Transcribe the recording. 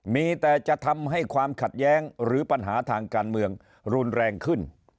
มีแต่จะทำให้ความขัดแย้งหรือปัญหาทางการเมืองรุนแรงขึ้น